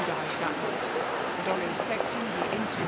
died that night ; and on inspeeting the instra